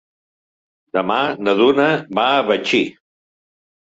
Demà na Duna va a Betxí.